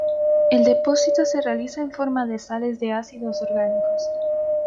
El depósito se realiza en forma de sales de ácidos orgánicos.